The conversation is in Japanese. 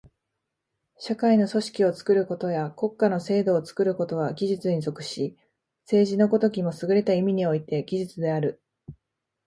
社会の組織を作ることや国家の制度を作ることは技術に属し、政治の如きもすぐれた意味において技術である。